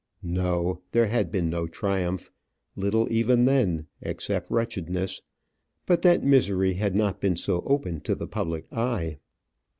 No, there had been no triumph; little even then, except wretchedness; but that misery had not been so open to the public eye.